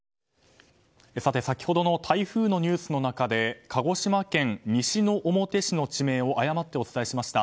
先ほどの台風のニュースの中で鹿児島県西之表市の地名を誤ってお伝えしました。